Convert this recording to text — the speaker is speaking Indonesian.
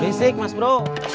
besik mas bro